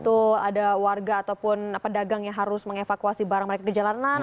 betul ada warga ataupun pedagang yang harus mengevakuasi barang mereka ke jalanan